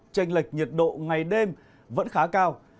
tranh lệch nhiệt độ ngày đêm vẫn khá cao